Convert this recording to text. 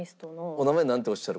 お名前なんておっしゃる？